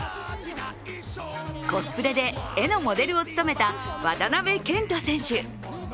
コスプレで絵のモデルを務めた渡部健人選手。